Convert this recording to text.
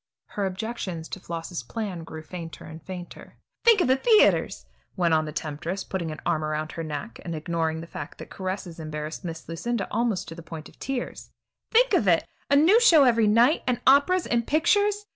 Her objections to Floss's plan grew fainter and fainter. "Think of the theaters," went on the temptress, putting an arm around her neck, and ignoring the fact that caresses embarrassed Miss Lucinda almost to the point of tears; "think of it! A new show every night, and operas and pictures.